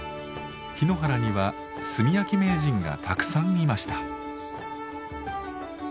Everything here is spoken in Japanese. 檜原には炭焼き名人がたくさんいました。